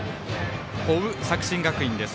追う作新学院です。